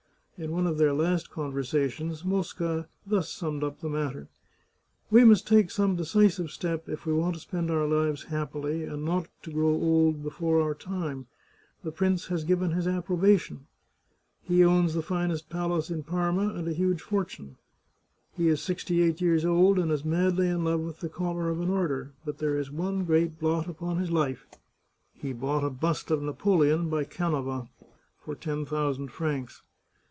In one of their last conversations, Mosca thus summed up the matter :" We must take some decisive step if we want to spend our lives happily, and not to grow old before our time. The prince has given his approbation. Sanseverina is really rather attractive than otherwise. He owns the finest palace in Parma and a huge fortune ; he is sixty eight years old, and is madly in love with the Collar of an Order ; but there is one great blot upon his life — he bought a bust of Napoleon by Canova, for ten thousand francs.